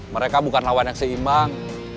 mereka bukan lawan yang seimbang